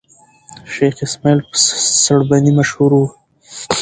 شېخ اسماعیل په سړبني مشهور وو.